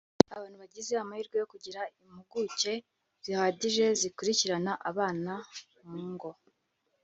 abantu bagize amahirwe yo kugira impuguke zihagije zikurikirana abana mu ngo